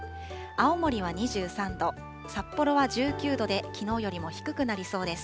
青森は２３度、札幌は１９度で、きのうよりも低くなりそうです。